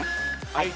はい。